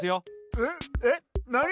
えっえっなに！？